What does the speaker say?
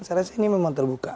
saya rasa ini memang terbuka